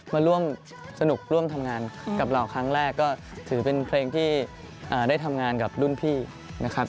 มาร่วมสนุกร่วมทำงานกับเราครั้งแรกก็ถือเป็นเพลงที่ได้ทำงานกับรุ่นพี่นะครับ